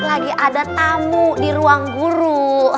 lagi ada tamu di ruang guru